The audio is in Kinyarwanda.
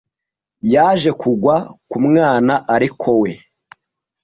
yaje kugwa ku mwana ariko we